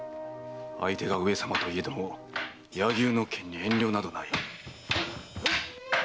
相手が上様といえども柳生の剣に遠慮などない。